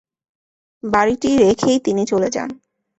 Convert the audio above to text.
বাড়িটি রেখেই তিনি চলে যান।